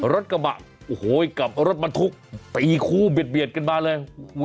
รถกลับมาโอ้โหยกลับรถมาทุกตีคู่เบียดกันมาเลย